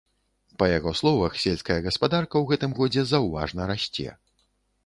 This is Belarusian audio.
Па яго словах, сельская гаспадарка ў гэтым годзе заўважна расце.